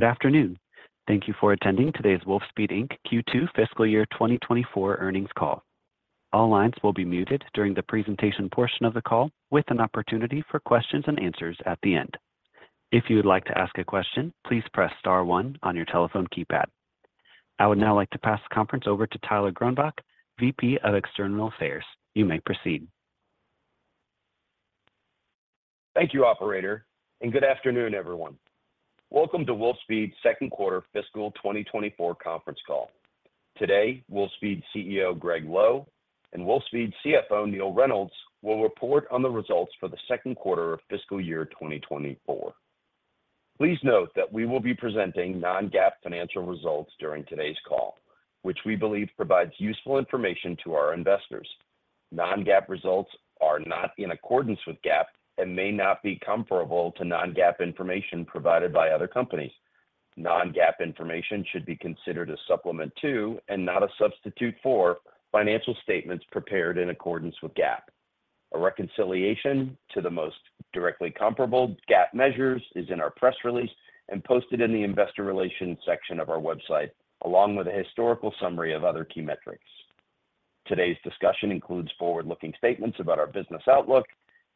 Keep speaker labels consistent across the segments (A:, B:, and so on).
A: Good afternoon. Thank you for attending today's Wolfspeed Inc Q2 Fiscal Year 2024 Earnings Call. All lines will be muted during the presentation portion of the call, with an opportunity for questions and answers at the end. If you would like to ask a question, please press star one on your telephone keypad. I would now like to pass the conference over to Tyler Gronbach, VP of External Affairs. You may proceed.
B: Thank you, operator, and good afternoon, everyone. Welcome to Wolfspeed's second quarter fiscal 2024 conference call. Today, Wolfspeed CEO Gregg Lowe and Wolfspeed CFO Neill Reynolds will report on the results for the second quarter of fiscal year 2024. Please note that we will be presenting non-GAAP financial results during today's call, which we believe provides useful information to our investors. Non-GAAP results are not in accordance with GAAP and may not be comparable to non-GAAP information provided by other companies. Non-GAAP information should be considered a supplement to, and not a substitute for, financial statements prepared in accordance with GAAP. A reconciliation to the most directly comparable GAAP measures is in our press release and posted in the Investor Relations section of our website, along with a historical summary of other key metrics. Today's discussion includes forward-looking statements about our business outlook,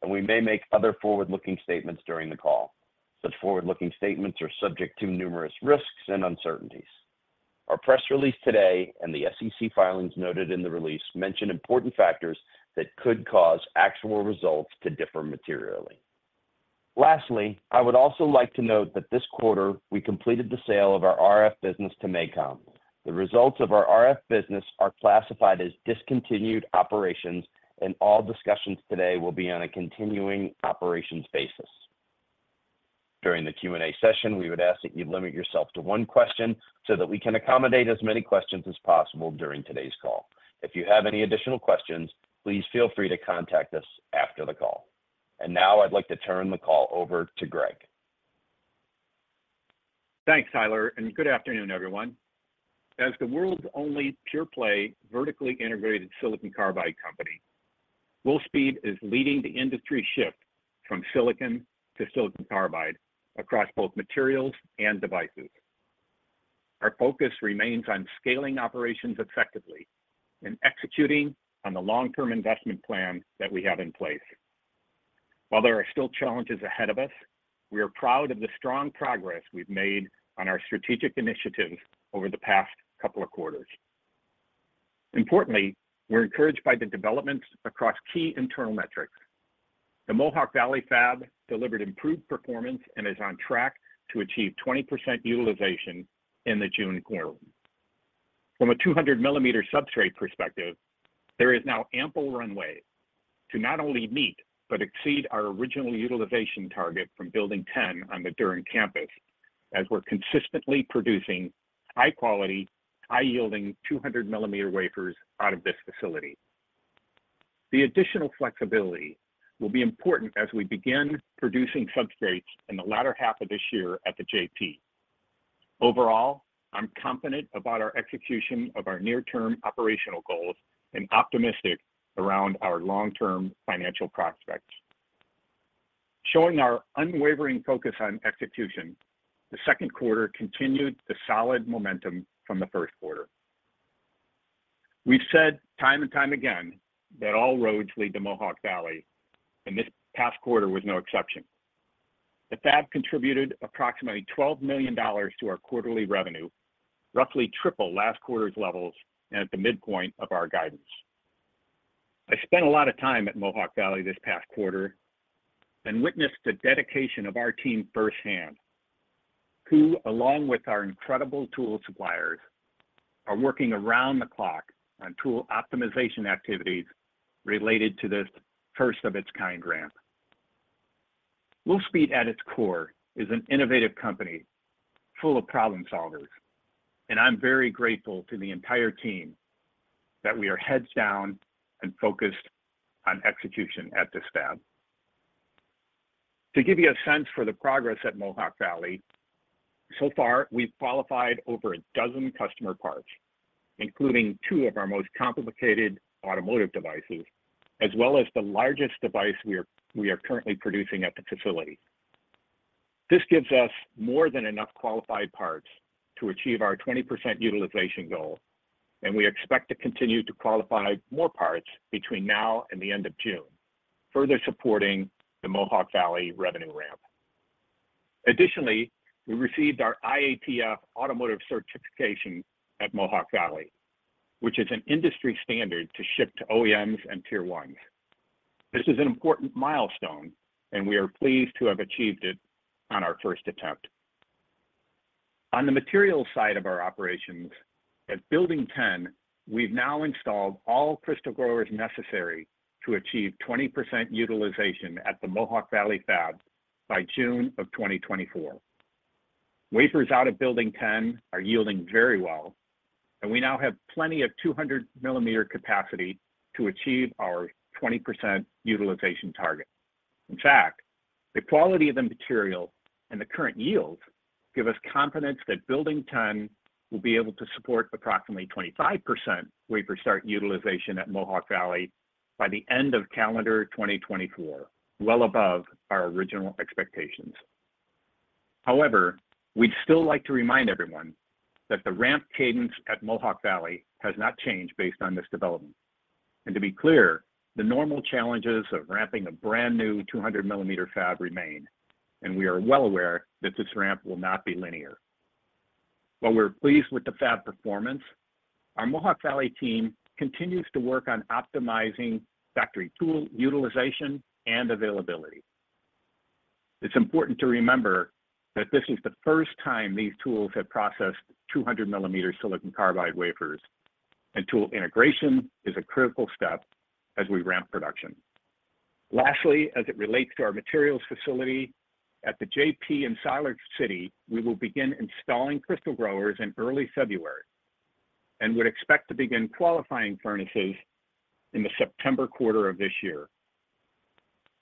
B: and we may make other forward-looking statements during the call. Such forward-looking statements are subject to numerous risks and uncertainties. Our press release today and the SEC filings noted in the release mention important factors that could cause actual results to differ materially. Lastly, I would also like to note that this quarter, we completed the sale of our RF business to MACOM. The results of our RF business are classified as discontinued operations, and all discussions today will be on a continuing operations basis. During the Q&A session, we would ask that you limit yourself to one question so that we can accommodate as many questions as possible during today's call. If you have any additional questions, please feel free to contact us after the call. And now I'd like to turn the call over to Gregg.
C: Thanks, Tyler, and good afternoon, everyone. As the world's only pure-play, vertically integrated silicon carbide company, Wolfspeed is leading the industry shift from silicon to silicon carbide across both materials and devices. Our focus remains on scaling operations effectively and executing on the long-term investment plan that we have in place. While there are still challenges ahead of us, we are proud of the strong progress we've made on our strategic initiatives over the past couple of quarters. Importantly, we're encouraged by the developments across key internal metrics. The Mohawk Valley Fab delivered improved performance and is on track to achieve 20% utilization in the June quarter. From a 200-millimeter substrate perspective, there is now ample runway to not only meet but exceed our original utilization target from Building 10 on the Durham campus, as we're consistently producing high-quality, high-yielding 200-millimeter wafers out of this facility. The additional flexibility will be important as we begin producing substrates in the latter half of this year at the JP. Overall, I'm confident about our execution of our near-term operational goals and optimistic around our long-term financial prospects. Showing our unwavering focus on execution, the second quarter continued the solid momentum from the first quarter. We've said time and time again that all roads lead to Mohawk Valley, and this past quarter was no exception. The fab contributed approximately $12 million to our quarterly revenue, roughly triple last quarter's levels and at the midpoint of our guidance. I spent a lot of time at Mohawk Valley this past quarter and witnessed the dedication of our team firsthand, who, along with our incredible tool suppliers, are working around the clock on tool optimization activities related to this first-of-its-kind ramp. Wolfspeed, at its core, is an innovative company full of problem solvers, and I'm very grateful to the entire team that we are heads down and focused on execution at this fab. To give you a sense for the progress at Mohawk Valley, so far, we've qualified over a dozen customer parts, including two of our most complicated automotive devices, as well as the largest device we are currently producing at the facility. This gives us more than enough qualified parts to achieve our 20% utilization goal, and we expect to continue to qualify more parts between now and the end of June, further supporting the Mohawk Valley revenue ramp. Additionally, we received our IATF automotive certification at Mohawk Valley, which is an industry standard to ship to OEMs and Tier 1s. This is an important milestone, and we are pleased to have achieved it on our first attempt. On the materials side of our operations, at Building 10, we've now installed all crystal growers necessary to achieve 20% utilization at the Mohawk Valley fab by June of 2024. Wafers out of Building 10 are yielding very well, and we now have plenty of 200 mm capacity to achieve our 20% utilization target. In fact, the quality of the material and the current yields give us confidence that Building 10 will be able to support approximately 25% wafer start utilization at Mohawk Valley. By the end of calendar 2024, well above our original expectations. However, we'd still like to remind everyone that the ramp cadence at Mohawk Valley has not changed based on this development. And to be clear, the normal challenges of ramping a brand-new 200 mm fab remain, and we are well aware that this ramp will not be linear. While we're pleased with the fab performance, our Mohawk Valley team continues to work on optimizing factory tool utilization and availability. It's important to remember that this is the first time these tools have processed 200 mm silicon carbide wafers, and tool integration is a critical step as we ramp production. Lastly, as it relates to our materials facility at the JP in Siler City, we will begin installing crystal growers in early February and would expect to begin qualifying furnaces in the September quarter of this year.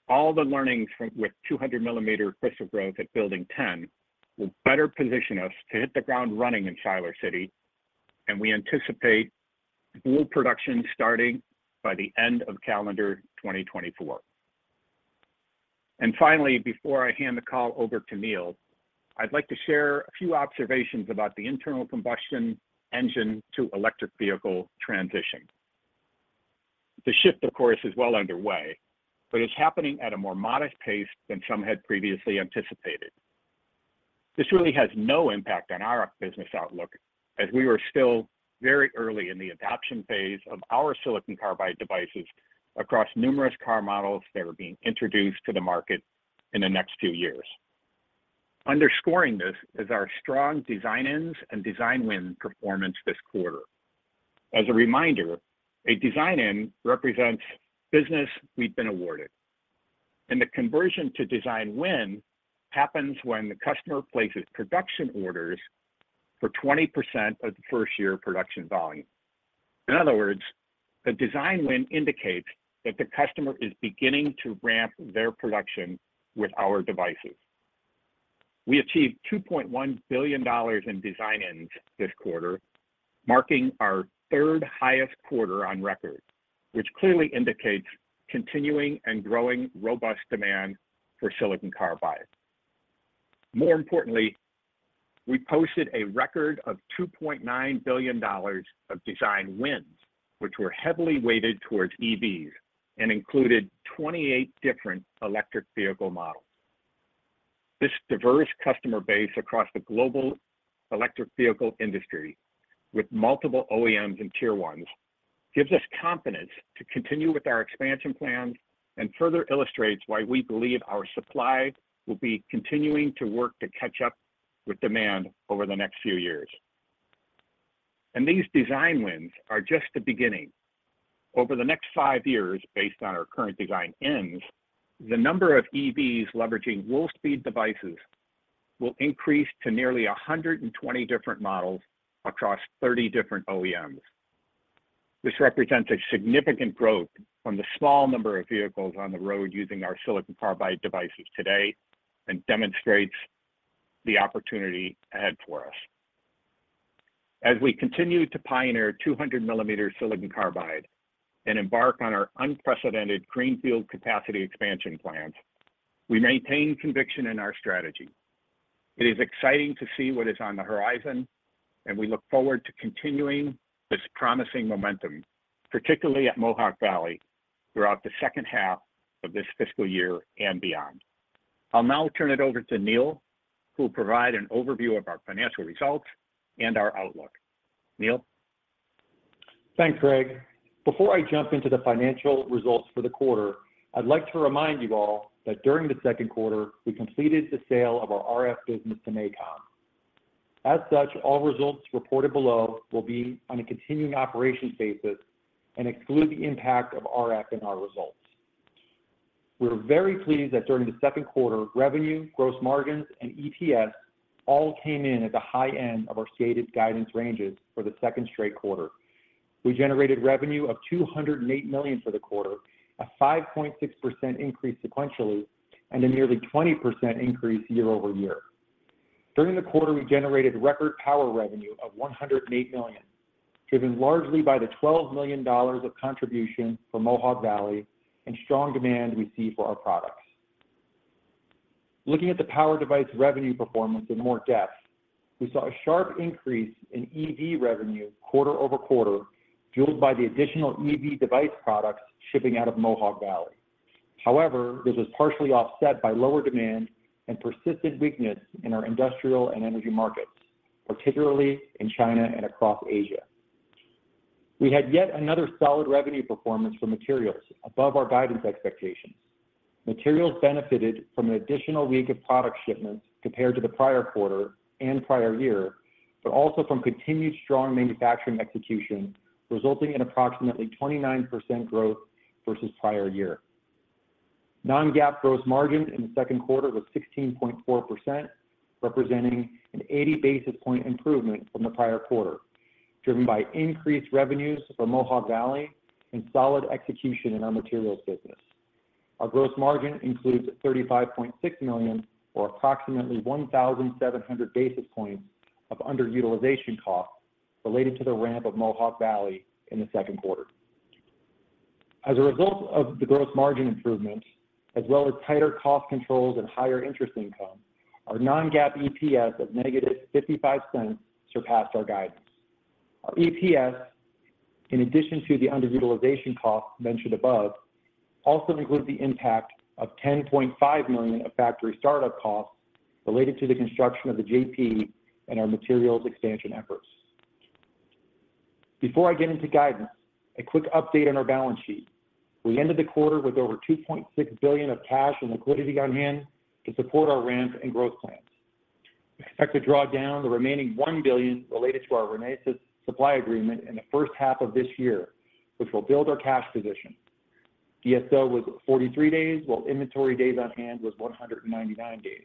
C: All the learnings from with 200 millimeter crystal growth at Building 10 will better position us to hit the ground running in Siler City, and we anticipate full production starting by the end of calendar 2024. And finally, before I hand the call over to Neill, I'd like to share a few observations about the internal combustion engine to electric vehicle transition. The shift, of course, is well underway, but it's happening at a more modest pace than some had previously anticipated. This really has no impact on our business outlook, as we are still very early in the adoption phase of our silicon carbide devices across numerous car models that are being introduced to the market in the next few years. Underscoring this is our strong design-ins and design win performance this quarter. As a reminder, a design-in represents business we've been awarded, and the conversion to design win happens when the customer places production orders for 20% of the first year of production volume. In other words, a design win indicates that the customer is beginning to ramp their production with our devices. We achieved $2.1 billion in design-ins this quarter, marking our third highest quarter on record, which clearly indicates continuing and growing robust demand for silicon carbide. More importantly, we posted a record of $2.9 billion of design wins, which were heavily weighted towards EVs and included 28 different electric vehicle models. This diverse customer base across the global electric vehicle industry, with multiple OEMs and Tier 1s, gives us confidence to continue with our expansion plans and further illustrates why we believe our supply will be continuing to work to catch up with demand over the next few years. These design wins are just the beginning. Over the next 5 years, based on our current design-ins, the number of EVs leveraging Wolfspeed devices will increase to nearly 120 different models across 30 different OEMs. This represents a significant growth from the small number of vehicles on the road using our silicon carbide devices today and demonstrates the opportunity ahead for us. As we continue to pioneer 200 millimeter silicon carbide and embark on our unprecedented greenfield capacity expansion plans, we maintain conviction in our strategy. It is exciting to see what is on the horizon, and we look forward to continuing this promising momentum, particularly at Mohawk Valley, throughout the second half of this fiscal year and beyond. I'll now turn it over to Neill, who will provide an overview of our financial results and our outlook. Neill?
D: Thanks, Gregg. Before I jump into the financial results for the quarter, I'd like to remind you all that during the second quarter, we completed the sale of our RF business to MACOM. As such, all results reported below will be on a continuing operations basis and exclude the impact of RF in our results. We're very pleased that during the second quarter, revenue, gross margins, and EPS all came in at the high end of our stated guidance ranges for the second straight quarter. We generated revenue of $208 million for the quarter, a 5.6% increase sequentially, and a nearly 20% increase year-over-year. During the quarter, we generated record power revenue of $108 million, driven largely by the $12 million of contribution from Mohawk Valley and strong demand we see for our products. Looking at the power device revenue performance in more depth, we saw a sharp increase in EV revenue quarter-over-quarter, fueled by the additional EV device products shipping out of Mohawk Valley. However, this was partially offset by lower demand and persistent weakness in our industrial and energy markets, particularly in China and across Asia. We had yet another solid revenue performance for materials above our guidance expectations. Materials benefited from an additional week of product shipments compared to the prior quarter and prior year, but also from continued strong manufacturing execution, resulting in approximately 29% growth versus prior year. Non-GAAP gross margin in the second quarter was 16.4%, representing an 80 basis point improvement from the prior quarter, driven by increased revenues from Mohawk Valley and solid execution in our materials business.... Our gross margin includes $35.6 million, or approximately 1,700 basis points of underutilization costs related to the ramp of Mohawk Valley in the second quarter. As a result of the gross margin improvements, as well as tighter cost controls and higher interest income, our non-GAAP EPS of -$0.55 surpassed our guidance. Our EPS, in addition to the underutilization costs mentioned above, also includes the impact of $10.5 million of factory startup costs related to the construction of the JP and our materials expansion efforts. Before I get into guidance, a quick update on our balance sheet. We ended the quarter with over $2.6 billion of cash and liquidity on hand to support our ramp and growth plans. We expect to draw down the remaining $1 billion related to our Renesas supply agreement in the first half of this year, which will build our cash position. DSO was 43 days, while inventory days on hand was 199 days.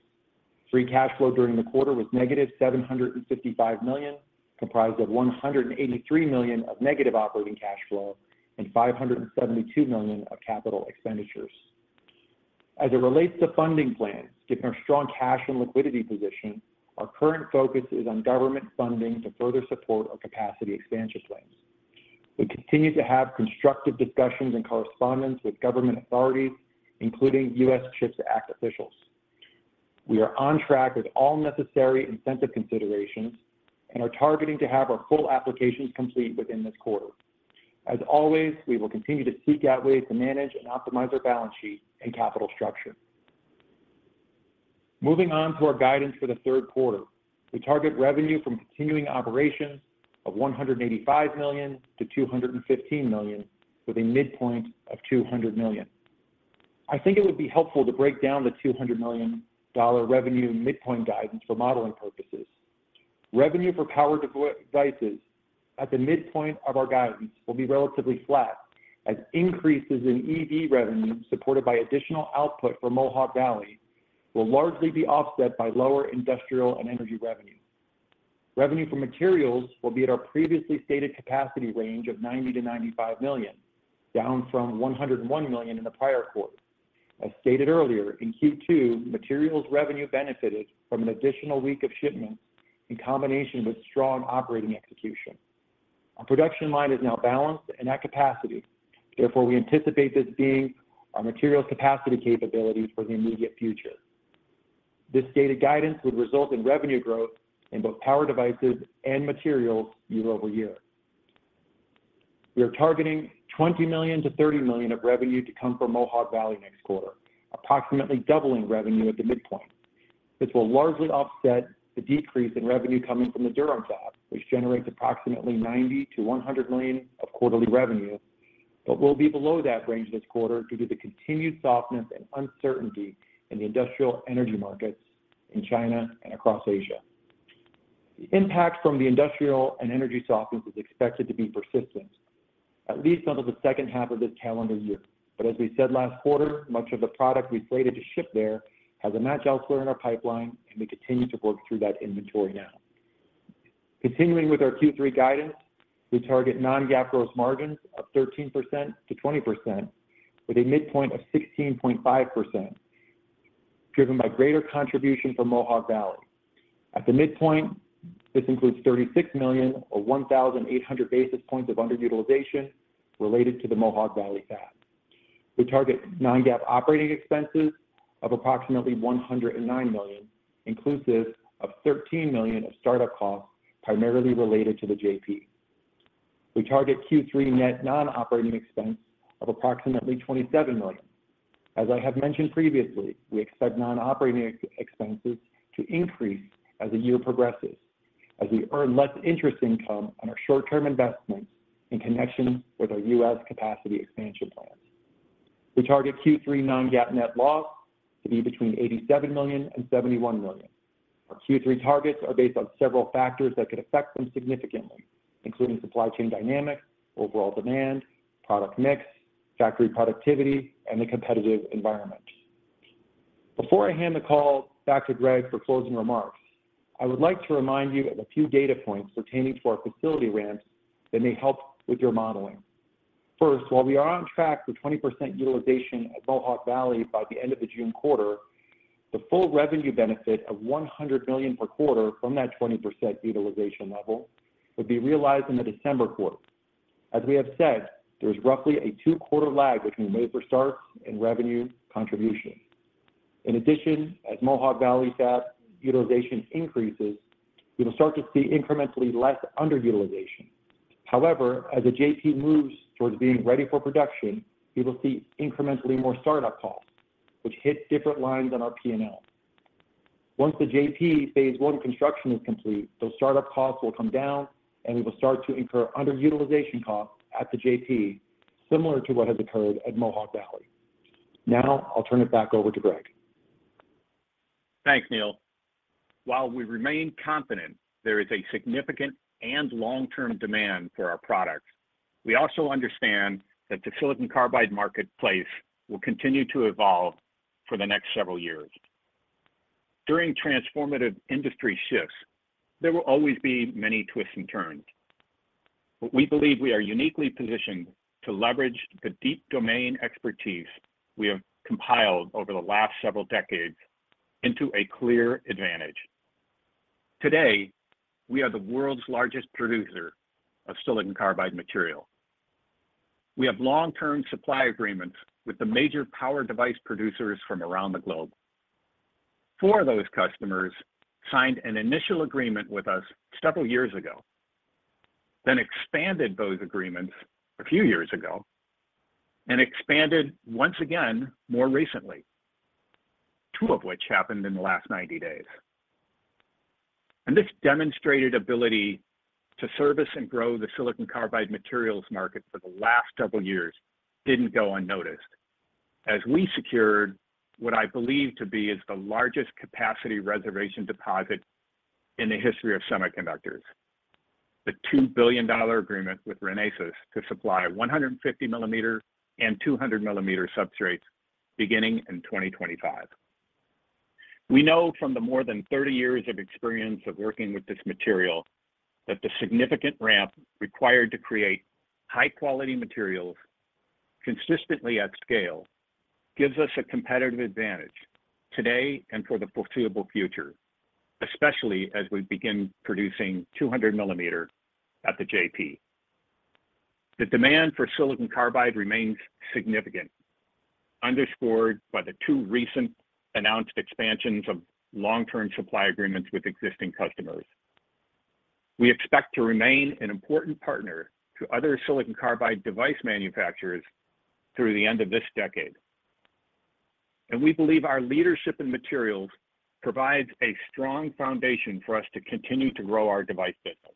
D: Free cash flow during the quarter was negative $755 million, comprised of $183 million of negative operating cash flow and $572 million of capital expenditures. As it relates to funding plans, given our strong cash and liquidity position, our current focus is on government funding to further support our capacity expansion plans. We continue to have constructive discussions and correspondence with government authorities, including CHIPS Act officials. We are on track with all necessary incentive considerations and are targeting to have our full applications complete within this quarter. As always, we will continue to seek out ways to manage and optimize our balance sheet and capital structure. Moving on to our guidance for the third quarter. We target revenue from continuing operations of $185 million-$215 million, with a midpoint of $200 million. I think it would be helpful to break down the $200 million dollar revenue midpoint guidance for modeling purposes. Revenue for power devices at the midpoint of our guidance will be relatively flat, as increases in EV revenue, supported by additional output from Mohawk Valley, will largely be offset by lower industrial and energy revenue. Revenue for materials will be at our previously stated capacity range of $90 million-$95 million, down from $101 million in the prior quarter. As stated earlier, in Q2, materials revenue benefited from an additional week of shipments in combination with strong operating execution. Our production line is now balanced and at capacity. Therefore, we anticipate this being our material capacity capabilities for the immediate future. This stated guidance would result in revenue growth in both power devices and materials year-over-year. We are targeting $20 million-$30 million of revenue to come from Mohawk Valley next quarter, approximately doubling revenue at the midpoint. This will largely offset the decrease in revenue coming from the Durham fab, which generates approximately $90 million-$100 million of quarterly revenue, but will be below that range this quarter due to the continued softness and uncertainty in the industrial energy markets in China and across Asia. The impact from the industrial and energy softness is expected to be persistent, at least until the second half of this calendar year. As we said last quarter, much of the product we slated to ship there has a match elsewhere in our pipeline, and we continue to work through that inventory now. Continuing with our Q3 guidance, we target non-GAAP gross margins of 13%-20%, with a midpoint of 16.5%, driven by greater contribution from Mohawk Valley. At the midpoint, this includes $36 million, or 1,800 basis points of underutilization related to the Mohawk Valley fab. We target non-GAAP operating expenses of approximately $109 million, inclusive of $13 million of startup costs, primarily related to the JP. We target Q3 net non-operating expense of approximately $27 million. As I have mentioned previously, we expect non-operating expenses to increase as the year progresses, as we earn less interest income on our short-term investments in connection with our U.S. capacity expansion plans. We target Q3 non-GAAP net loss to be between $87 million and $71 million. Our Q3 targets are based on several factors that could affect them significantly, including supply chain dynamics, overall demand, product mix, factory productivity, and the competitive environment. Before I hand the call back to Gregg for closing remarks, I would like to remind you of a few data points pertaining to our facility ramps that may help with your modeling. First, while we are on track for 20% utilization at Mohawk Valley by the end of the June quarter, the full revenue benefit of $100 million per quarter from that 20% utilization level would be realized in the December quarter. As we have said, there is roughly a two-quarter lag between wafer starts and revenue contribution. In addition, as Mohawk Valley Fab utilization increases, we will start to see incrementally less underutilization. However, as the JP moves towards being ready for production, we will see incrementally more startup costs, which hit different lines on our P&L. Once the JP phase one construction is complete, those startup costs will come down, and we will start to incur underutilization costs at the JP, similar to what has occurred at Mohawk Valley. Now, I'll turn it back over to Gregg.
C: Thanks, Neill. While we remain confident there is a significant and long-term demand for our products, we also understand that the silicon carbide marketplace will continue to evolve for the next several years.... During transformative industry shifts, there will always be many twists and turns. But we believe we are uniquely positioned to leverage the deep domain expertise we have compiled over the last several decades into a clear advantage. Today, we are the world's largest producer of silicon carbide material. We have long-term supply agreements with the major power device producers from around the globe. Four of those customers signed an initial agreement with us several years ago, then expanded those agreements a few years ago, and expanded once again more recently, two of which happened in the last 90 days. This demonstrated ability to service and grow the silicon carbide materials market for the last several years didn't go unnoticed, as we secured what I believe to be is the largest capacity reservation deposit in the history of semiconductors, the $2 billion agreement with Renesas to supply 150 mm and 200 mm substrates beginning in 2025. We know from the more than 30 years of experience of working with this material, that the significant ramp required to create high-quality materials consistently at scale gives us a competitive advantage today and for the foreseeable future, especially as we begin producing 200 mm at the JP. The demand for silicon carbide remains significant, underscored by the 2 recent announced expansions of long-term supply agreements with existing customers. We expect to remain an important partner to other silicon carbide device manufacturers through the end of this decade. We believe our leadership in materials provides a strong foundation for us to continue to grow our device business.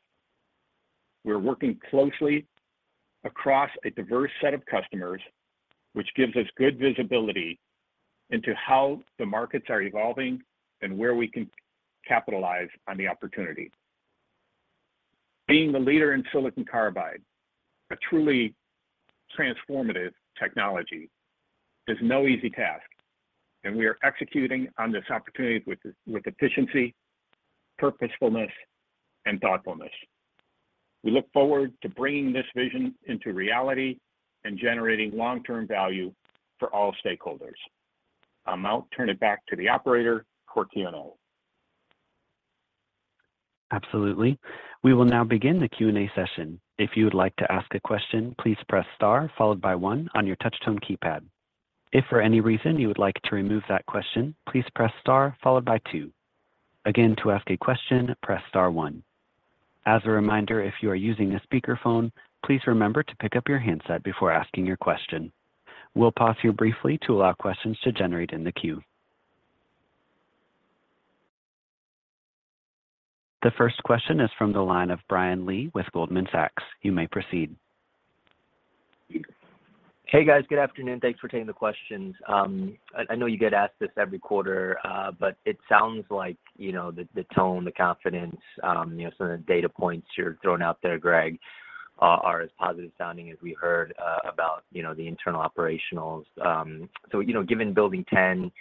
C: We're working closely across a diverse set of customers, which gives us good visibility into how the markets are evolving and where we can capitalize on the opportunity. Being the leader in silicon carbide, a truly transformative technology, is no easy task, and we are executing on this opportunity with efficiency, purposefulness, and thoughtfulness. We look forward to bringing this vision into reality and generating long-term value for all stakeholders. I'll now turn it back to the operator for Q&A.
A: Absolutely. We will now begin the Q&A session. If you would like to ask a question, please press Star, followed by one on your touch tone keypad. If for any reason you would like to remove that question, please press Star followed by two. Again, to ask a question, press Star one. As a reminder, if you are using a speakerphone, please remember to pick up your handset before asking your question. We'll pause here briefly to allow questions to generate in the queue. The first question is from the line of Brian Lee with Goldman Sachs. You may proceed.
E: Hey, guys. Good afternoon. Thanks for taking the questions. I know you get asked this every quarter, but it sounds like, you know, the tone, the confidence, you know, some of the data points you're throwing out there, Gregg, are as positive sounding as we heard about, you know, the internal operationals. So, you know, given Building 10,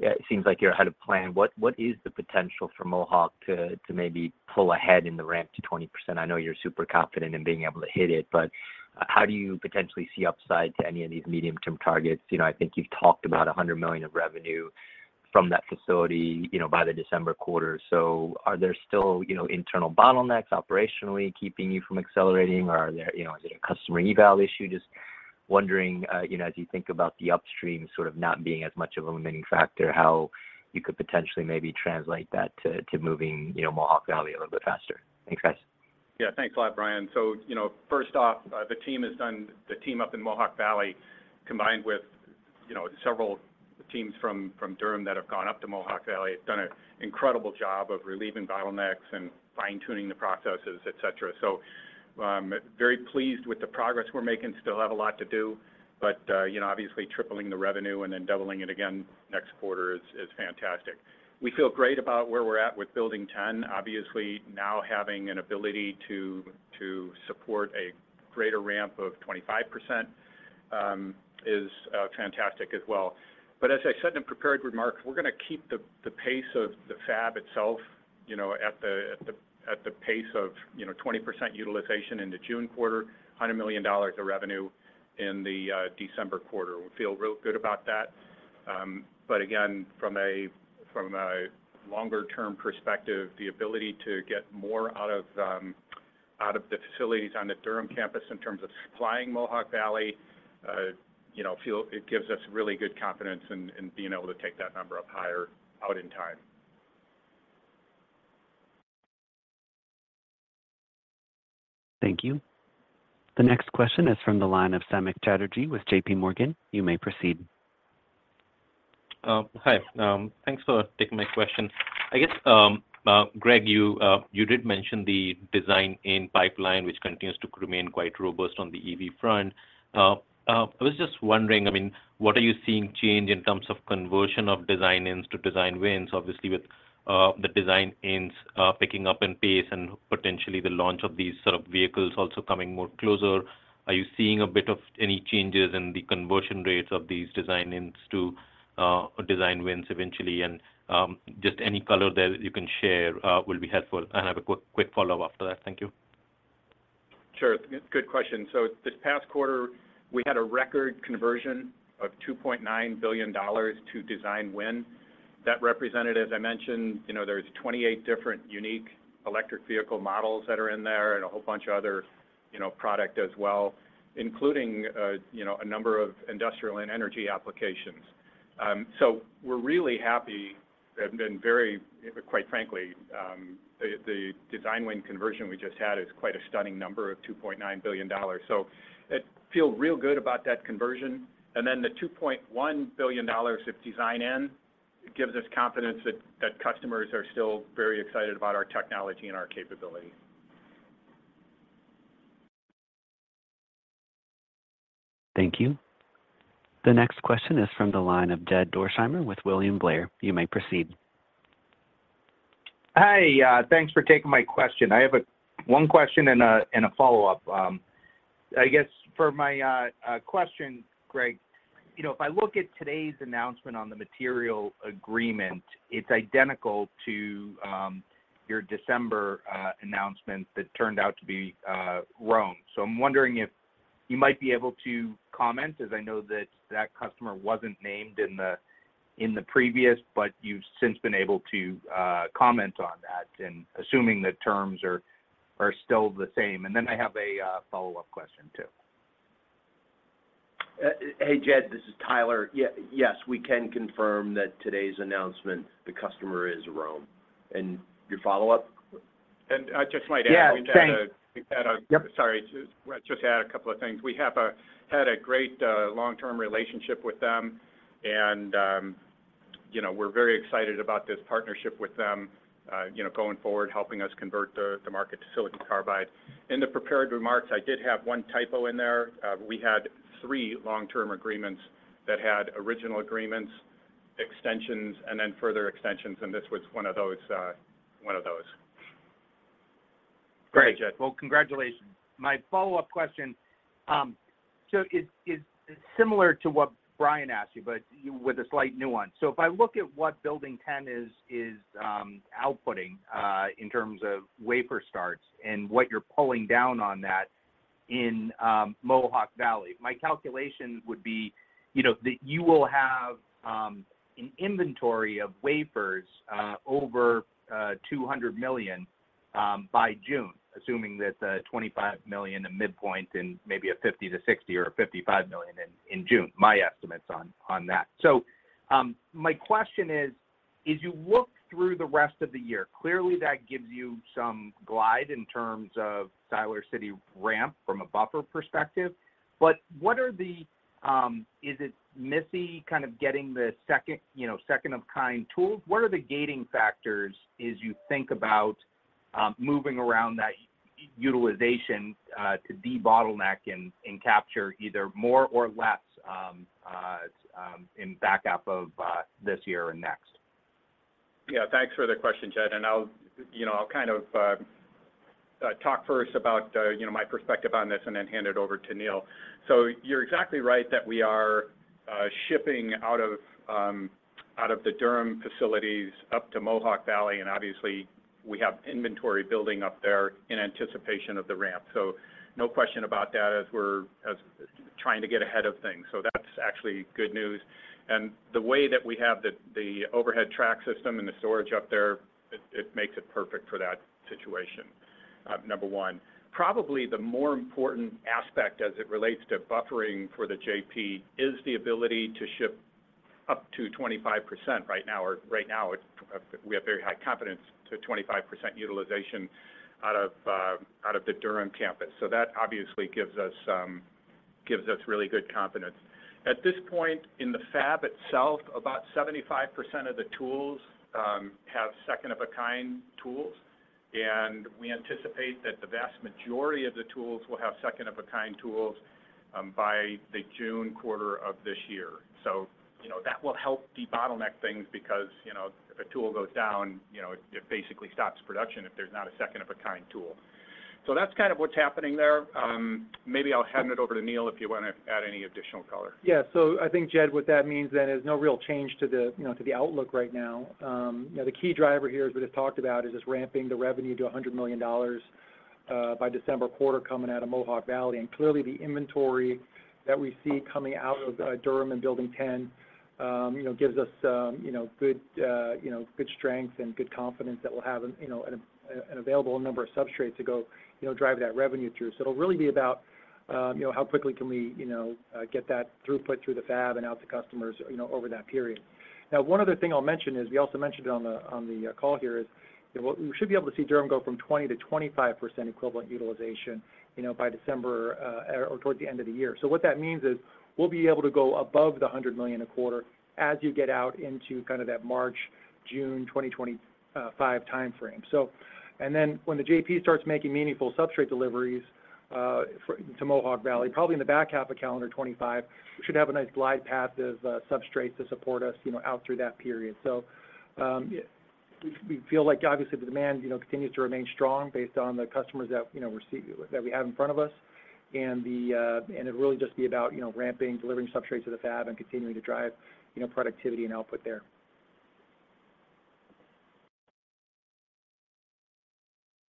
E: it seems like you're ahead of plan. What is the potential for Mohawk to maybe pull ahead in the ramp to 20%? I know you're super confident in being able to hit it, but how do you potentially see upside to any of these medium-term targets? You know, I think you've talked about $100 million of revenue from that facility, you know, by the December quarter. So are there still, you know, internal bottlenecks operationally keeping you from accelerating, or are there, you know, is it a customer eval issue? Just wondering, you know, as you think about the upstream sort of not being as much of a limiting factor, how you could potentially maybe translate that to, to moving, you know, Mohawk Valley a little bit faster. Thanks, guys.
C: Yeah, thanks a lot, Brian. So, you know, first off, the team up in Mohawk Valley, combined with, you know, several teams from, from Durham that have gone up to Mohawk Valley, have done an incredible job of relieving bottlenecks and fine-tuning the processes, et cetera. So, very pleased with the progress we're making. Still have a lot to do, but, you know, obviously tripling the revenue and then doubling it again next quarter is fantastic. We feel great about where we're at with Building 10. Obviously, now having an ability to support a greater ramp of 25%, is fantastic as well. But as I said in the prepared remarks, we're going to keep the pace of the fab itself, you know, at the pace of 20% utilization in the June quarter, $100 million of revenue in the December quarter. We feel real good about that. But again, from a longer-term perspective, the ability to get more out of the facilities on the Durham campus in terms of supplying Mohawk Valley, you know, it gives us really good confidence in being able to take that number up higher out in time.
A: Thank you. The next question is from the line of Samik Chatterjee with JPMorgan. You may proceed.
F: Hi. Thanks for taking my question. I guess, Gregg, you did mention the design-in pipeline, which continues to remain quite robust on the EV front. I was just wondering, I mean, what are you seeing change in terms of conversion of design-ins to design wins, obviously with kind of the design-ins picking up in pace and potentially the launch of these sort of vehicles also coming more closer. Are you seeing a bit of any changes in the conversion rates of these design-ins to design wins eventually? And just any color that you can share will be helpful. And I have a quick, quick follow-up after that. Thank you.
C: Sure. Good question. So this past quarter, we had a record conversion of $2.9 billion to design win. That represented, as I mentioned, you know, there's 28 different unique electric vehicle models that are in there and a whole bunch of other, you know, product as well, including, you know, a number of industrial and energy applications. So we're really happy and been very quite frankly, the, the design win conversion we just had is quite a stunning number of $2.9 billion. So it feel real good about that conversion. And then the $2.1 billion of design in, gives us confidence that, that customers are still very excited about our technology and our capability.
A: Thank you. The next question is from the line of Jed Dorsheimer with William Blair. You may proceed.
G: Hi, thanks for taking my question. I have one question and a follow-up. I guess for my question, Gregg, you know, if I look at today's announcement on the material agreement, it's identical to your December announcement that turned out to be ROHM. So I'm wondering if you might be able to comment, as I know that that customer wasn't named in the previous, but you've since been able to comment on that, and assuming the terms are still the same. And then I have a follow-up question, too.
B: Hey, Jed, this is Tyler. Yes, we can confirm that today's announcement, the customer is ROHM. And your follow-up?
C: I just might add.
G: Yeah, thanks.
C: We've had a great long-term relationship with them, and you know, we're very excited about this partnership with them, you know, going forward, helping us convert the market to silicon carbide. In the prepared remarks, I did have one typo in there. We had three long-term agreements that had original agreements, extensions, and then further extensions, and this was one of those, one of those.
G: Great. Well, congratulations. My follow-up question, so it's similar to what Brian asked you, but with a slight new one. So if I look at what Building 10 is outputting in terms of wafer starts and what you're pulling down on that in Mohawk Valley, my calculation would be, you know, that you will have an inventory of wafers over $200 million by June, assuming that the $25 million, a midpoint and maybe a $50-$60 or a $55 million in June. My estimates on that. So, my question is, as you look through the rest of the year, clearly that gives you some glide in terms of Siler City ramp from a buffer perspective, but what are the, is it mostly kind of getting the second, you know, second-of-kind tools? What are the gating factors as you think about moving around that utilization to debottleneck and capture either more or less in back half of this year and next?
C: Yeah, thanks for the question, Jed, and I'll, you know, I'll kind of talk first about, you know, my perspective on this and then hand it over to Neill. So you're exactly right that we are shipping out of, out of the Durham facilities up to Mohawk Valley, and obviously, we have inventory building up there in anticipation of the ramp. So no question about that as we're trying to get ahead of things. So that's actually good news. And the way that we have the, the overhead track system and the storage up there, it, it makes it perfect for that situation, number one. Probably the more important aspect as it relates to buffering for the JP is the ability to ship up to 25% right now, or right now, it's, we have very high confidence to 25% utilization out of, out of the Durham campus. So that obviously gives us, gives us really good confidence. At this point, in the fab itself, about 75% of the tools, have second-of-a-kind tools, and we anticipate that the vast majority of the tools will have second-of-a-kind tools, by the June quarter of this year. So, you know, that will help debottleneck things because, you know, if a tool goes down, you know, it, it basically stops production if there's not a second-of-a-kind tool. So that's kind of what's happening there. Maybe I'll hand it over to Neill, if you want to add any additional color.
D: Yeah. So I think, Jed, what that means then is no real change to the, you know, to the outlook right now. You know, the key driver here, as we just talked about, is just ramping the revenue to $100 million by December quarter, coming out of Mohawk Valley. And clearly, the inventory that we see coming out of Durham and Building 10, you know, gives us, you know, good strength and good confidence that we'll have an available number of substrates to go, you know, drive that revenue through. So it'll really be about, you know, how quickly can we get that throughput through the fab and out to customers, you know, over that period. Now, one other thing I'll mention is, we also mentioned it on the, on the, call here, is, you know, we should be able to see Durham go from 20%-25% equivalent utilization, you know, by December, or towards the end of the year. So what that means is, we'll be able to go above $100 million a quarter as you get out into kind of that March, June 2025 time frame. So, and then when the JP starts making meaningful substrate deliveries for, to Mohawk Valley, probably in the back half of calendar 2025. We should have a nice glide path of, substrates to support us, you know, out through that period. So, yeah, we feel like obviously the demand, you know, continues to remain strong based on the customers that, you know, that we have in front of us. And it'd really just be about, you know, ramping, delivering substrates to the fab and continuing to drive, you know, productivity and output there.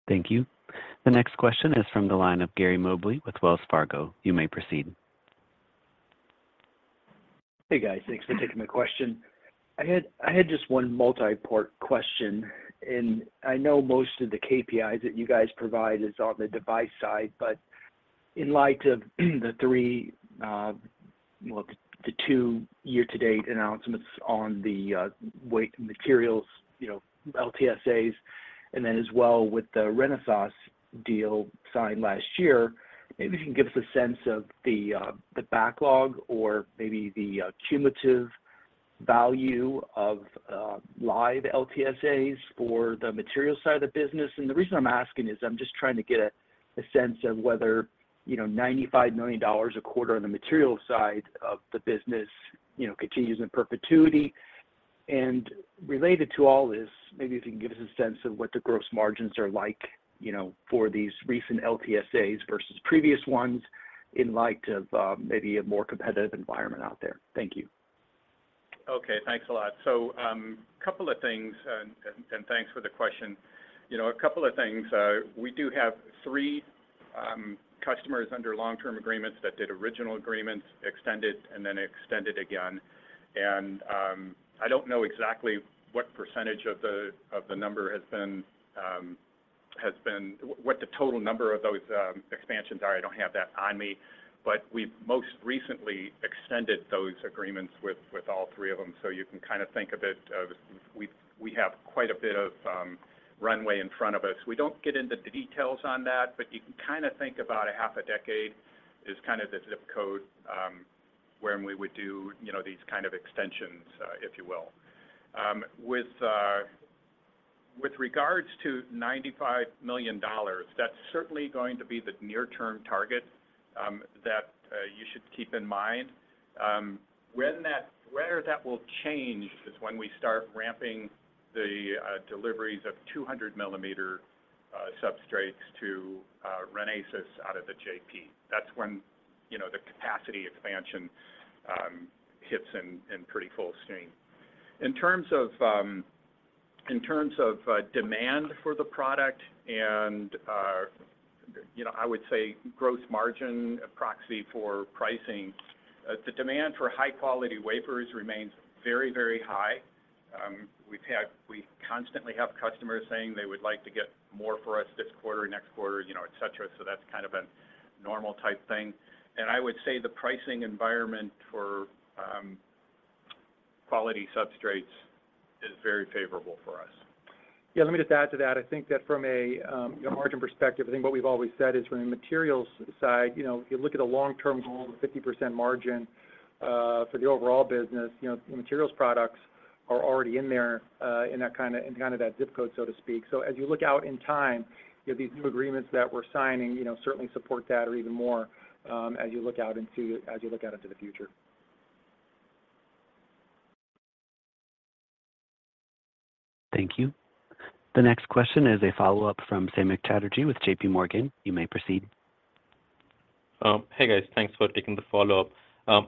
A: Thank you. The next question is from the line of Gary Mobley with Wells Fargo. You may proceed.
H: Hey, guys. Thanks for taking my question. I had just one multi-part question, and I know most of the KPIs that you guys provide is on the device side, but in light of the two year-to-date announcements on the wafer and materials, you know, LTSAs, and then as well with the Renesas deal signed last year, maybe if you can give us a sense of the backlog or maybe the cumulative value of live LTSAs for the material side of the business. And the reason I'm asking is I'm just trying to get a sense of whether, you know, $95 million a quarter on the material side of the business, you know, continues in perpetuity. Related to all this, maybe if you can give us a sense of what the gross margins are like, you know, for these recent LTSAs versus previous ones, in light of maybe a more competitive environment out there? Thank you.
C: Okay, thanks a lot. So, couple of things, and thanks for the question. You know, a couple of things. We do have 3 customers under long-term agreements that did original agreements, extended, and then extended again. And, I don't know exactly what percentage of the number has been—what the total number of those expansions are. I don't have that on me, but we've most recently extended those agreements with all three of them. So you can kind of think of it as we've—we have quite a bit of runway in front of us. We don't get into the details on that, but you can kind of think about a half a decade is kind of the zip code when we would do, you know, these kind of extensions, if you will. With regards to $95 million, that's certainly going to be the near-term target that you should keep in mind. When that will change is when we start ramping the deliveries of 200 millimeter substrates to Renesas out of the JP. That's when, you know, the capacity expansion hits in pretty full steam. In terms of demand for the product and, you know, I would say gross margin, a proxy for pricing, the demand for high-quality wafers remains very, very high. We constantly have customers saying they would like to get more from us this quarter, next quarter, you know, et cetera, so that's kind of a normal type thing. And I would say the pricing environment for quality substrates is very favorable for us.
D: Yeah, let me just add to that. I think that from a, you know, margin perspective, I think what we've always said is, from the materials side, you know, you look at a long-term goal of 50% margin, for the overall business, you know, the materials products are already in there, in kind of that zip code, so to speak. So as you look out in time, you know, these new agreements that we're signing, you know, certainly support that or even more, as you look out into, as you look out into the future.
A: Thank you. The next question is a follow-up from Samik Chatterjee with JPMorgan. You may proceed.
F: Hey, guys. Thanks for taking the follow-up.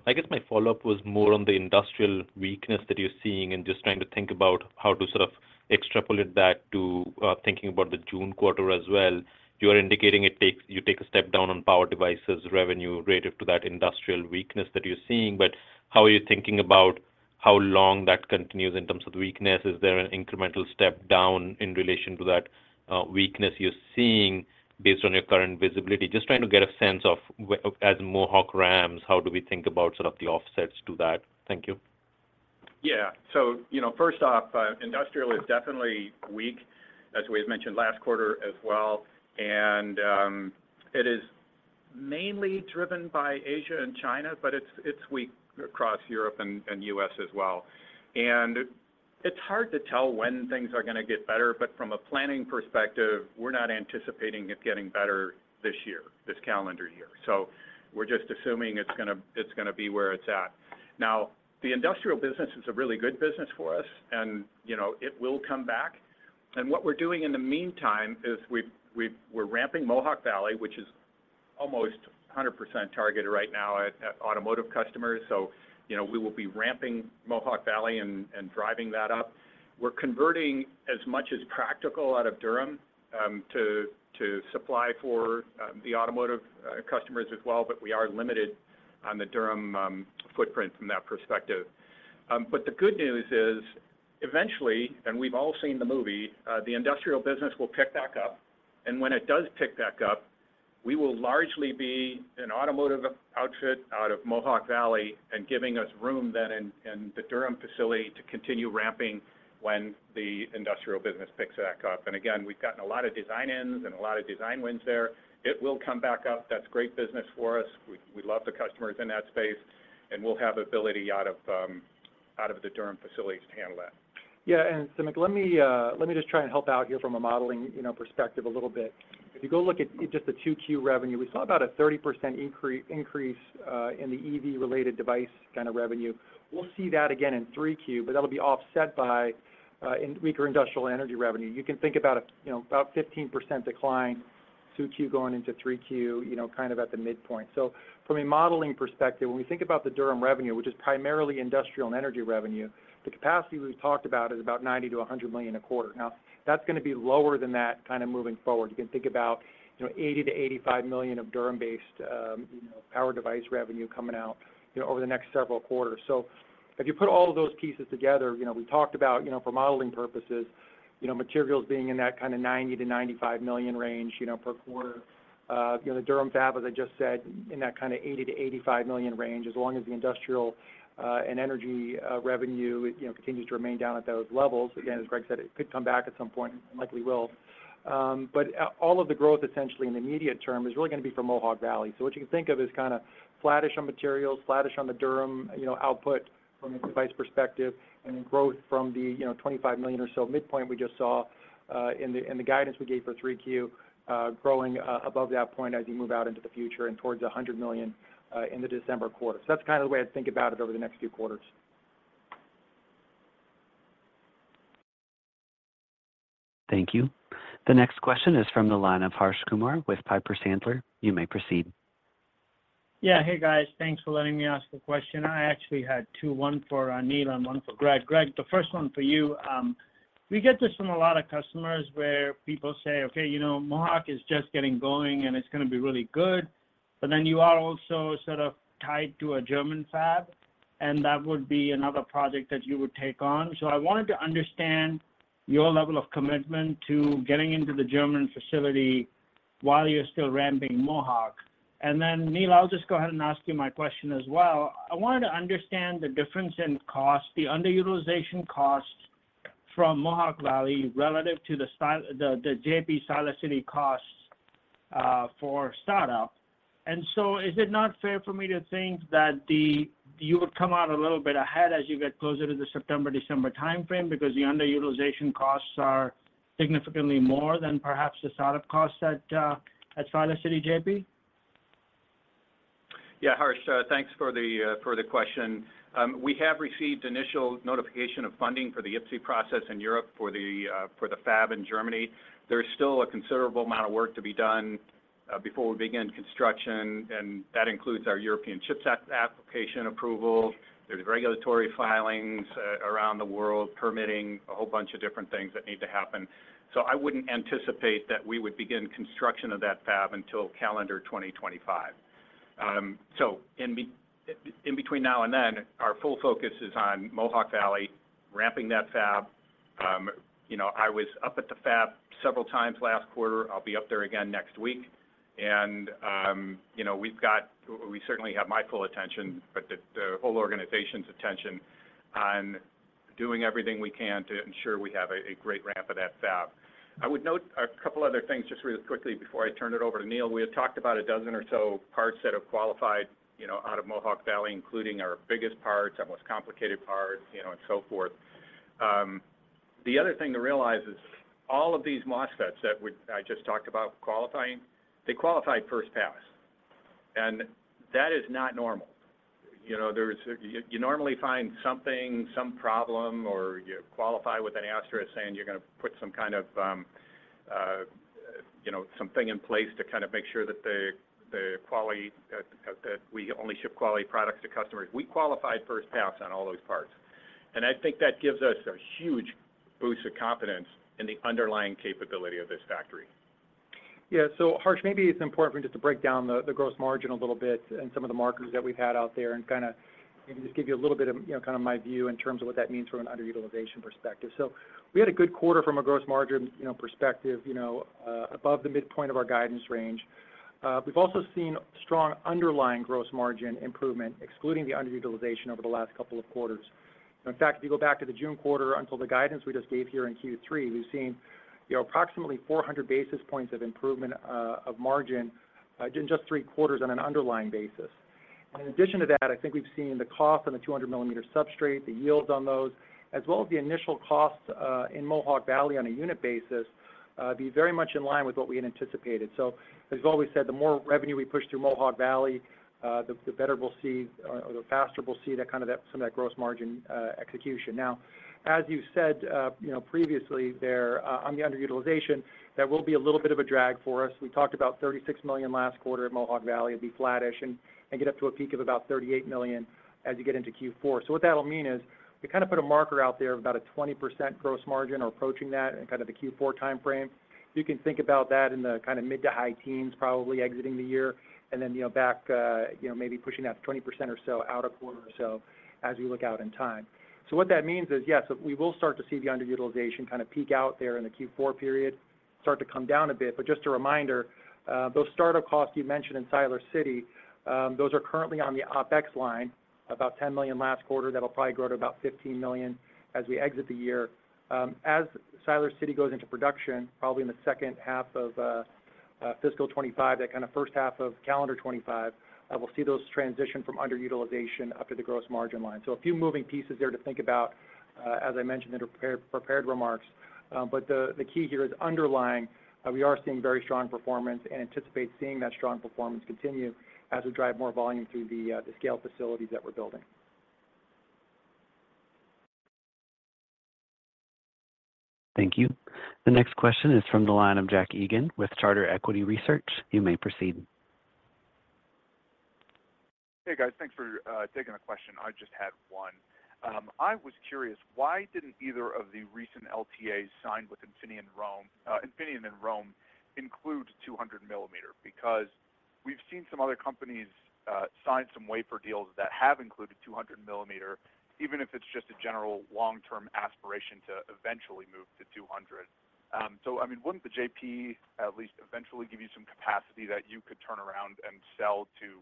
F: I guess my follow-up was more on the industrial weakness that you're seeing and just trying to think about how to sort of extrapolate that to, thinking about the June quarter as well. You are indicating it takes, you take a step down on power devices revenue relative to that industrial weakness that you're seeing, but how are you thinking about how long that continues in terms of the weakness? Is there an incremental step down in relation to that, weakness you're seeing based on your current visibility? Just trying to get a sense of as Mohawk ramps, how do we think about sort of the offsets to that? Thank you.
C: Yeah. So, you know, first off, industrial is definitely weak, as we had mentioned last quarter as well. And it is mainly driven by Asia and China, but it's weak across Europe and U.S. as well. And it's hard to tell when things are going to get better, but from a planning perspective, we're not anticipating it getting better this year, this calendar year. So we're just assuming it's gonna be where it's at. Now, the industrial business is a really good business for us, and, you know, it will come back. And what we're doing in the meantime is we're ramping Mohawk Valley, which is almost 100% targeted right now at automotive customers. So, you know, we will be ramping Mohawk Valley and driving that up. We're converting as much as practical out of Durham to supply for the automotive customers as well, but we are limited on the Durham footprint from that perspective. But the good news is, eventually, and we've all seen the movie, the industrial business will pick back up. And when it does pick back up, we will largely be an automotive outfit out of Mohawk Valley and giving us room then in the Durham facility to continue ramping when the industrial business picks back up. And again, we've gotten a lot of design-ins and a lot of design wins there. It will come back up. That's great business for us. We love the customers in that space, and we'll have ability out of the Durham facilities to handle that.
D: Yeah, and so Nick, let me let me just try and help out here from a modeling, you know, perspective a little bit. If you go look at just the 2Q revenue, we saw about a 30% increase in the EV related device kind of revenue. We'll see that again in 3Q, but that'll be offset by in weaker industrial energy revenue. You can think about, you know, about 15% decline, 2Q going into 3Q, you know, kind of at the midpoint. So from a modeling perspective, when we think about the Durham revenue, which is primarily industrial and energy revenue, the capacity we've talked about is about $90 million-$100 million a quarter. Now, that's going to be lower than that kind of moving forward. You can think about, you know, $80 million-$85 million of Durham-based, you know, power device revenue coming out, you know, over the next several quarters. So if you put all of those pieces together, you know, we talked about, you know, for modeling purposes, you know, materials being in that kind of $90 million-$95 million range, you know, per quarter. The Durham fab, as I just said, in that kind of $80 million-$85 million range, as long as the industrial, and energy, revenue, you know, continues to remain down at those levels. Again, as Gregg said, it could come back at some point, and likely will. But all of the growth, essentially, in the immediate term, is really going to be from Mohawk Valley. So what you can think of is kind of flattish on materials, flattish on the Durham, you know, output from a device perspective, and then growth from the, you know, $25 million or so midpoint we just saw in the guidance we gave for Q3, growing above that point as you move out into the future and towards $100 million in the December quarter. So that's kind of the way I'd think about it over the next few quarters.
A: Thank you. The next question is from the line of Harsh Kumar with Piper Sandler. You may proceed.
I: Yeah. Hey, guys. Thanks for letting me ask the question. I actually had two, one for Neill and one for Gregg. Gregg, the first one for you. We get this from a lot of customers where people say, "Okay, you know, Mohawk is just getting going, and it's going to be really good," but then you are also sort of tied to a German fab, and that would be another project that you would take on. So I wanted to understand your level of commitment to getting into the German facility while you're still ramping Mohawk. And then, Neill, I'll just go ahead and ask you my question as well. I wanted to understand the difference in cost, the underutilization costs from Mohawk Valley relative to the JP Siler City costs for startup. And so is it not fair for me to think that you would come out a little bit ahead as you get closer to the September, December timeframe because the underutilization costs are significantly more than perhaps the startup costs at Siler City, JP?
C: Yeah, Harsh, thanks for the question. We have received initial notification of funding for the IPCEI process in Europe for the fab in Germany. There is still a considerable amount of work to be done before we begin construction, and that includes our European CHIPS Act application approval. There's regulatory filings around the world, permitting, a whole bunch of different things that need to happen. So I wouldn't anticipate that we would begin construction of that fab until calendar 2025. So in between now and then, our full focus is on Mohawk Valley, ramping that fab. You know, I was up at the fab several times last quarter. I'll be up there again next week. You know, we've got, we certainly have my full attention, but the whole organization's attention on doing everything we can to ensure we have a great ramp of that fab. I would note a couple other things just really quickly before I turn it over to Neill. We had talked about a dozen or so parts that have qualified, you know, out of Mohawk Valley, including our biggest parts, our most complicated parts, you know, and so forth. The other thing to realize is all of these MOSFETs that we, I just talked about qualifying, they qualified first pass, and that is not normal. You know, you normally find something, some problem, or you qualify with an asterisk saying you're going to put some kind of, you know, something in place to kind of make sure that the quality that we only ship quality products to customers. We qualified first pass on all those parts, and I think that gives us a huge boost of confidence in the underlying capability of this factory.
D: Yeah. So Harsh, maybe it's important for me just to break down the gross margin a little bit and some of the markers that we've had out there and kind of maybe just give you a little bit of, you know, kind of my view in terms of what that means from an underutilization perspective. So we had a good quarter from a gross margin, you know, perspective, you know, above the midpoint of our guidance range. We've also seen strong underlying gross margin improvement, excluding the underutilization over the last couple of quarters. In fact, if you go back to the June quarter until the guidance we just gave here in Q3, we've seen, you know, approximately 400 basis points of improvement of margin in just three quarters on an underlying basis. In addition to that, I think we've seen the cost on the 200 millimeter substrate, the yields on those, as well as the initial costs in Mohawk Valley on a unit basis be very much in line with what we had anticipated. So as we've always said, the more revenue we push through Mohawk Valley, the better we'll see or the faster we'll see that kind of some of that gross margin execution. Now, as you said, you know, previously there on the underutilization, that will be a little bit of a drag for us. We talked about $36 million last quarter at Mohawk Valley. It'd be flattish and get up to a peak of about $38 million as you get into Q4. So what that'll mean is we kind of put a marker out there of about a 20% gross margin or approaching that in kind of the Q4 timeframe. You can think about that in the kind of mid- to high-teens %, probably exiting the year, and then, you know, back, you know, maybe pushing that 20% or so out a quarter or so as we look out in time. So what that means is, yes, we will start to see the underutilization kind of peak out there in the Q4 period, start to come down a bit. But just a reminder, those startup costs you mentioned in Siler City, those are currently on the OpEx line, about $10 million last quarter. That'll probably grow to about $15 million as we exit the year. As Siler City goes into production, probably in the second half of fiscal 2025, that kind of first half of calendar 2025, we'll see those transition from underutilization up to the gross margin line. So a few moving pieces there to think about, as I mentioned in the prepared remarks. But the key here is underlying, we are seeing very strong performance and anticipate seeing that strong performance continue as we drive more volume through the scale facilities that we're building.
A: Thank you. The next question is from the line of Jack Egan with Charter Equity Research. You may proceed.
J: Hey, guys. Thanks for taking a question. I just had one. I was curious, why didn't either of the recent LTAs signed with Infineon and ROHM include 200 millimeter? Because we've seen some other companies sign some wafer deals that have included 200 millimeter, even if it's just a general long-term aspiration to eventually move to 200. So I mean, wouldn't the JP at least eventually give you some capacity that you could turn around and sell to,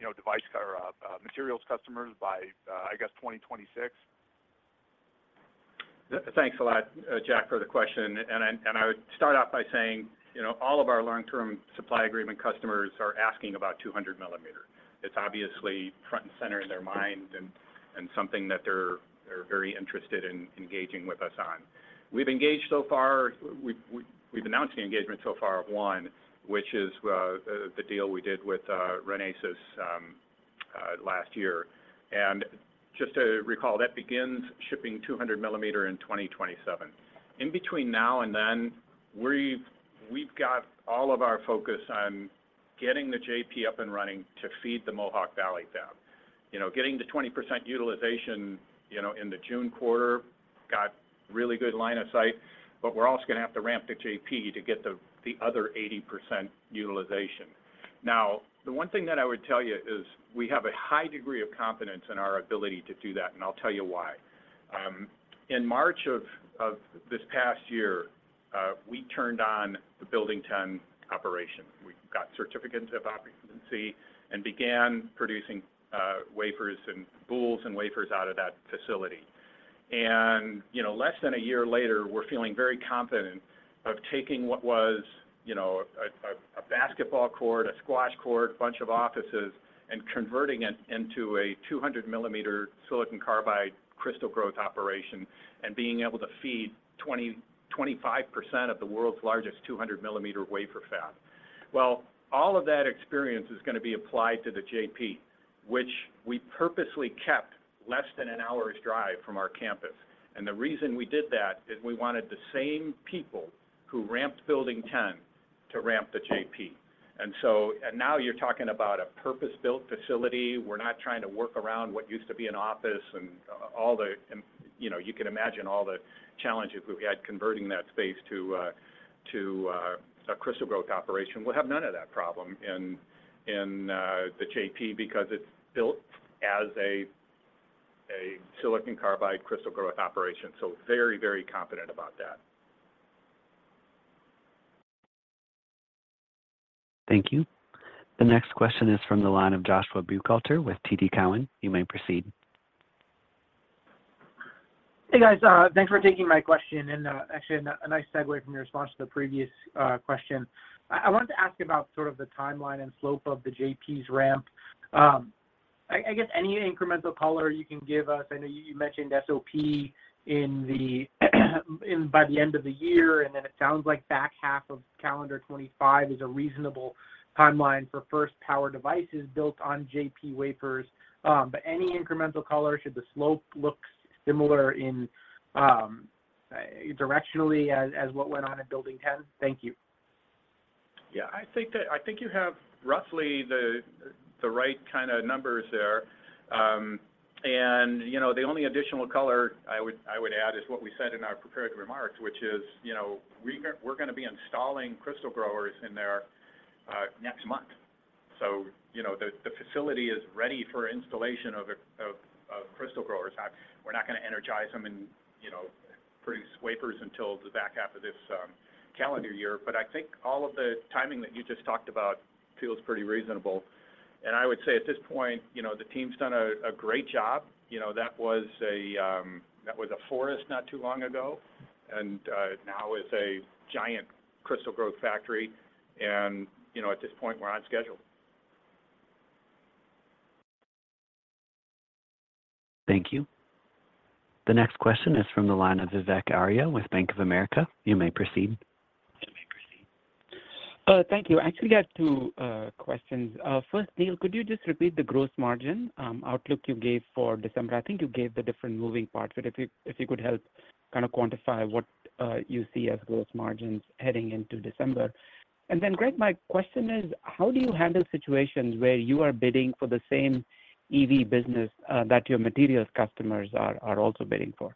J: you know, device or materials customers by, I guess, 2026?
C: Thanks a lot, Jack, for the question. And I would start off by saying, you know, all of our long-term supply agreement customers are asking about 200 millimeter. It's obviously front and center in their mind and something that they're very interested in engaging with us on. We've engaged so far. We've announced the engagement so far of one, which is the deal we did with Renesas last year. And just to recall, that begins shipping 200 millimeter in 2027. In between now and then, we've got all of our focus on getting the JP up and running to feed the Mohawk Valley Fab. You know, getting to 20% utilization, you know, in the June quarter, got really good line of sight, but we're also going to have to ramp the JP to get the other 80% utilization. Now, the one thing that I would tell you is we have a high degree of confidence in our ability to do that, and I'll tell you why. In March of this past year, we turned on the Building 10 operation. We got certificates of occupancy and began producing wafers and boules and wafers out of that facility. You know, less than a year later, we're feeling very confident of taking what was, you know, a basketball court, a squash court, a bunch of offices, and converting it into a 200mm silicon carbide crystal growth operation, and being able to feed 25% of the world's largest 200mm wafer fab. Well, all of that experience is gonna be applied to the JP, which we purposely kept less than an hour's drive from our campus. The reason we did that is we wanted the same people who ramped Building 10 to ramp the JP. And so—and now you're talking about a purpose-built facility. We're not trying to work around what used to be an office and all the, you know, you can imagine all the challenges we've had converting that space to a crystal growth operation. We'll have none of that problem in the JP, because it's built as a silicon carbide crystal growth operation. So very, very confident about that.
A: Thank you. The next question is from the line of Joshua Buchalter with TD Cowen. You may proceed.
K: Hey, guys, thanks for taking my question, and actually a nice segue from your response to the previous question. I wanted to ask about sort of the timeline and slope of the JP's ramp. I guess any incremental color you can give us. I know you mentioned SOP in by the end of the year, and then it sounds like back half of calendar 2025 is a reasonable timeline for first power devices built on JP wafers. But any incremental color, should the slope look similar in directionally as what went on in Building 10? Thank you.
C: Yeah, I think you have roughly the, the right kind of numbers there. And, you know, the only additional color I would, I would add is what we said in our prepared remarks, which is, you know, we're gonna be installing crystal growers in there next month. So, you know, the, the facility is ready for installation of, of, of crystal growers. We're not gonna energize them and, you know, produce wafers until the back half of this calendar year. But I think all of the timing that you just talked about feels pretty reasonable. And I would say at this point, you know, the team's done a, a great job. You know, that was a, that was a forest not too long ago, and now is a giant crystal growth factory. You know, at this point, we're on schedule.
A: Thank you. The next question is from the line of Vivek Arya with Bank of America. You may proceed.
D: Thank you. I actually have two questions. First, Neill, could you just repeat the gross margin outlook you gave for December? I think you gave the different moving parts, but if you could help kind of quantify what you see as gross margins heading into December. And then, Gregg, my question is: How do you handle situations where you are bidding for the same EV business that your materials customers are also bidding for?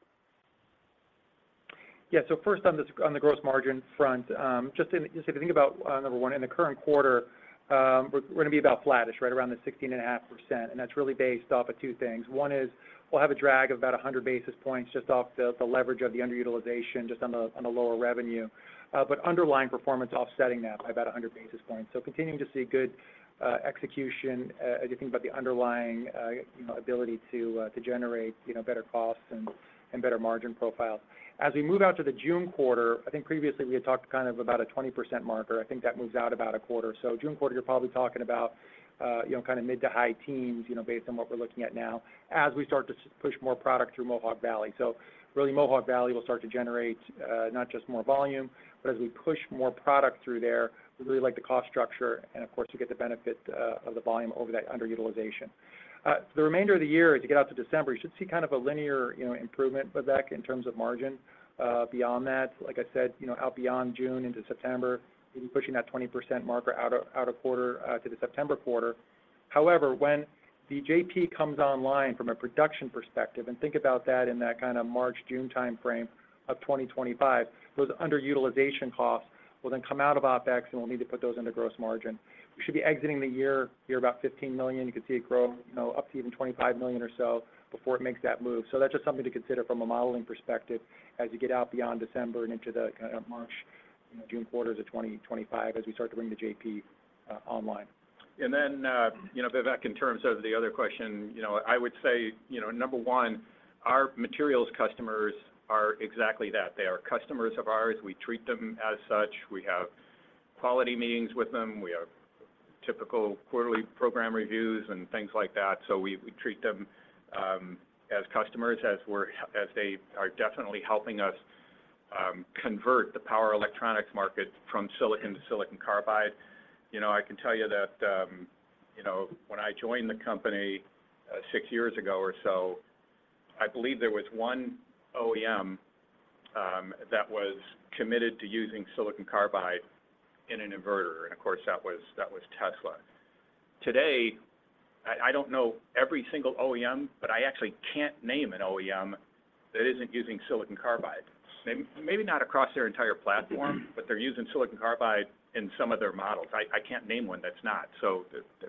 D: Yeah. So first on the gross margin front, just if you think about number one, in the current quarter, we're gonna be about flattish, right around 16.5%, and that's really based off of two things. One is, we'll have a drag of about 100 basis points just off the, the leverage of the underutilization, just on the, on the lower revenue, but underlying performance offsetting that by about 100 basis points. So continuing to see good execution, as you think about the underlying, you know, ability to, to generate, you know, better costs and, and better margin profiles. As we move out to the June quarter, I think previously we had talked kind of about a 20% marker. I think that moves out about a quarter. So June quarter, you're probably talking about, you know, kind of mid- to high teens, you know, based on what we're looking at now, as we start to push more product through Mohawk Valley. So really, Mohawk Valley will start to generate not just more volume, but as we push more product through there, we really like the cost structure, and of course, you get the benefit of the volume over that underutilization. The remainder of the year, as you get out to December, you should see kind of a linear, you know, improvement, Vivek, in terms of margin. Beyond that, like I said, you know, out beyond June into September, maybe pushing that 20% marker out a quarter to the September quarter. However, when the JP comes online from a production perspective, and think about that in that kind of March-June time frame of 2025, those underutilization costs will then come out of OpEx, and we'll need to put those into gross margin. We should be exiting the year about $15 million. You could see it grow, you know, up to even $25 million or so before it makes that move. So that's just something to consider from a modeling perspective as you get out beyond December and into the kind of March, you know, June quarters of 2025 as we start to bring the JP online.
C: You know, Vivek, in terms of the other question, you know, I would say, you know, number one, our materials customers are exactly that. They are customers of ours. We treat them as such. We have quality meetings with them. We have typical quarterly program reviews and things like that. So we treat them as customers, as they are definitely helping us convert the power electronics market from silicon to silicon carbide. You know, I can tell you that, when I joined the company, six years ago or so, I believe there was one OEM that was committed to using silicon carbide in an inverter, and of course, that was Tesla. Today, I don't know every single OEM, but I actually can't name an OEM that isn't using silicon carbide. Maybe, maybe not across their entire platform, but they're using silicon carbide in some of their models. I can't name one that's not. So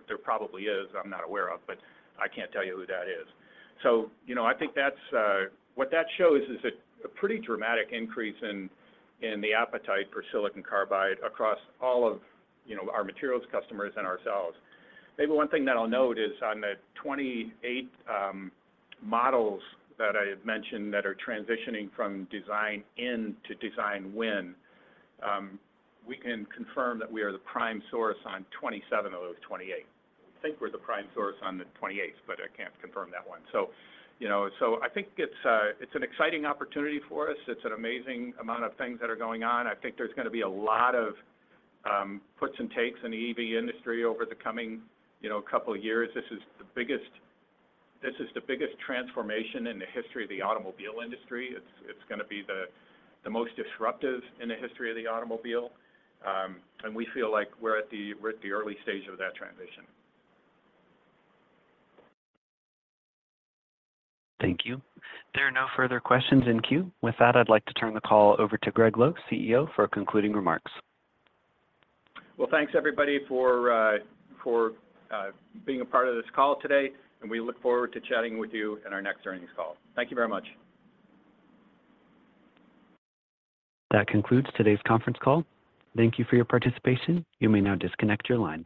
C: there probably is, I'm not aware of, but I can't tell you who that is. So, you know, I think that's what that shows is a pretty dramatic increase in the appetite for silicon carbide across all of, you know, our materials customers and ourselves. Maybe one thing that I'll note is on the 28 models that I had mentioned that are transitioning from design-in to design win, we can confirm that we are the prime source on 27 of those 28. I think we're the prime source on the 28th, but I can't confirm that one. So, you know, so I think it's an exciting opportunity for us. It's an amazing amount of things that are going on. I think there's gonna be a lot of puts and takes in the EV industry over the coming, you know, couple of years. This is the biggest- this is the biggest transformation in the history of the automobile industry. It's, it's gonna be the, the most disruptive in the history of the automobile, and we feel like we're at the, we're at the early stage of that transition.
A: Thank you. There are no further questions in queue. With that, I'd like to turn the call over to Gregg Lowe, CEO, for concluding remarks.
C: Well, thanks everybody for being a part of this call today, and we look forward to chatting with you in our next earnings call. Thank you very much.
A: That concludes today's conference call. Thank you for your participation. You may now disconnect your lines.